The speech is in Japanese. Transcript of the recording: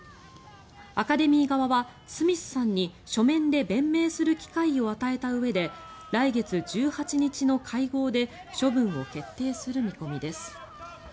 アカデミー側はスミスさんに書面で弁明する機会を与えたうえで来月１８日の会合で処分を決定する見込みです。